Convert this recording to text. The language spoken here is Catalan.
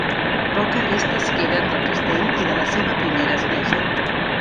Poques restes queden del castell i de la seva primera església.